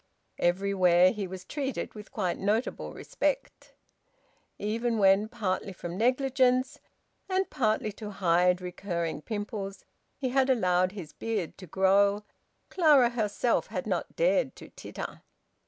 Everywhere he was treated with quite notable respect. Even when, partly from negligence, and partly to hide recurring pimples, he had allowed his beard to grow, Clara herself had not dared to titter.